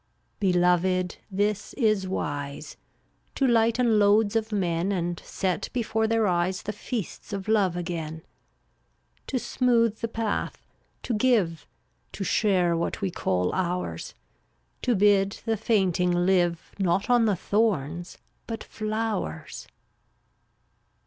343 Beloved, this is wise: To lighten loads of men And set before their eyes The feasts of love again; To smooth the path, to give, To share what we call ours; To bid the fainting live Not on the thorns, but flowers.